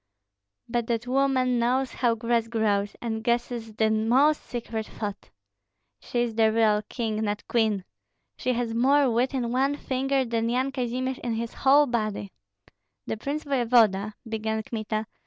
But that woman knows how grass grows, and guesses the most secret thought. She is the real king, not queen! She has more wit in one finger than Yan Kazimir in his whole body." "The prince voevoda " began Kmita.